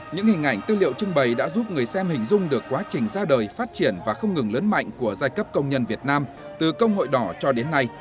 những hình ảnh tư liệu trưng bày đã giúp người xem hình dung được quá trình ra đời phát triển và không ngừng lớn mạnh của giai cấp công nhân việt nam từ công hội đỏ cho đến nay